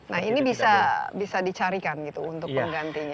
nah ini bisa dicarikan gitu untuk penggantinya